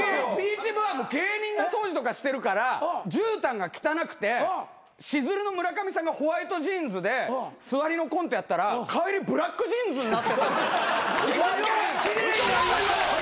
ＢｅａｃｈＶは芸人が掃除とかしてるからじゅうたんが汚くてしずるの村上さんがホワイトジーンズで座りのコントやったら帰りブラックジーンズになってた。